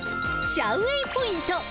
シャウ・ウェイポイント。